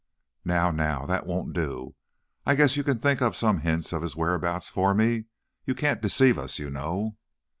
"Now, now, that won't do! I guess you can think up some hint of his whereabouts for me. You can't deceive us, you know."